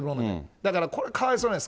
だからこれ、かわいそうなんです。